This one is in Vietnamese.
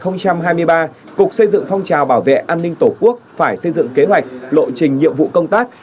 năm hai nghìn hai mươi ba cục xây dựng phong trào bảo vệ an ninh tổ quốc phải xây dựng kế hoạch lộ trình nhiệm vụ công tác